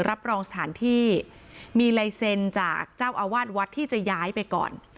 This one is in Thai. รับรองสถานที่มีลายเซ็นจากเจ้าอาวาสวัดที่จะย้ายไปก่อน